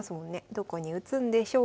どこに打つんでしょうか。